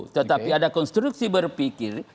tetapi ada konstruksi berpikir